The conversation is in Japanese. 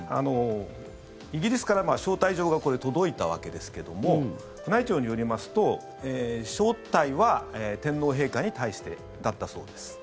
イギリスから招待状が届いたわけですけども宮内庁によりますと、招待は天皇陛下に対してだったそうです。